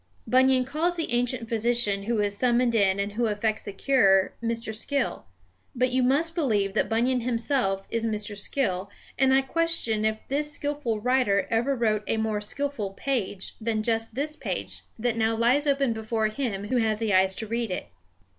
Bunyan calls the ancient physician who is summoned in and who effects the cure, Mr. Skill, but you must believe that Bunyan himself is Mr. Skill; and I question if this skilful writer ever wrote a more skilful page than just this page that now lies open before him who has the eyes to read it.